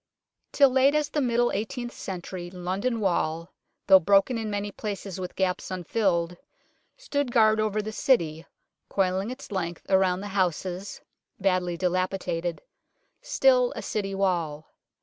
Till late as the middle eighteenth century London Wall, though broken in many places, with gaps unfilled, stood guard over the City, coiling its length around the houses, badly dilapi dated still a City Wall.